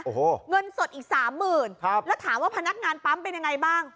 โอ้โหเงินสดอีกสามหมื่นครับแล้วถามว่าพนักงานปั๊มเป็นยังไงบ้าง